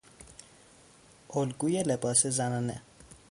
الگوی لباس زنانه